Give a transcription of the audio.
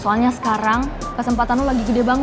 soalnya sekarang kesempatan lo lagi gede banget